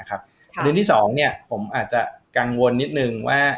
อันดึงที่๒เนี่ยผมอาจจะกังวลนิดนึงว่า